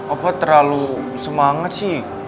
apa terlalu semangat sih